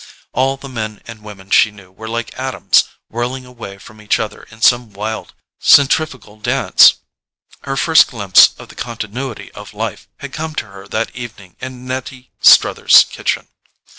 All the men and women she knew were like atoms whirling away from each other in some wild centrifugal dance: her first glimpse of the continuity of life had come to her that evening in Nettie Struther's kitchen.